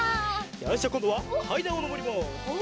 よしじゃあこんどはかいだんをのぼります。